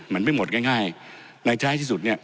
มันไม่หมดง่ายในท้ายที่สุดเนี่ย